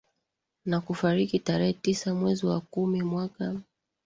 Na kufariki tarehe tisaa mwezi wa kumi mwaka